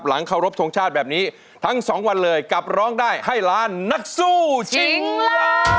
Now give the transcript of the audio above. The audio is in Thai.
เคารพทรงชาติแบบนี้ทั้งสองวันเลยกับร้องได้ให้ล้านนักสู้ชิงล้าน